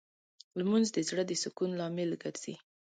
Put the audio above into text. لمونځ د زړه د سکون لامل ګرځي